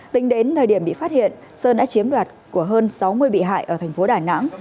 tính đến thời điểm bị phát hiện sơn đã chiếm đoạt của hơn sáu mươi bị hại ở thành phố đà nẵng